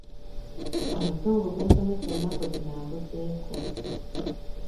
Omuzungu gwe nsomesa ennaku zino ambuzeeko.